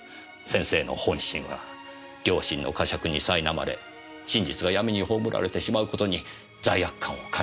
先生の本心は良心の呵責にさいなまれ真実が闇に葬られてしまう事に罪悪感を感じているからです。